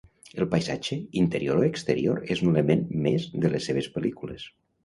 El paisatge, interior o exterior, és un element més de les seves pel·lícules.